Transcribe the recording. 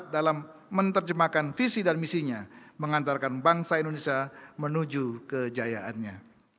dalam menerjemahkan visi dan misinya mengantarkan bangsa indonesia menuju kejayaannya